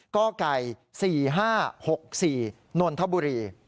ก้อก่าย๔๕๖๔นธบุรี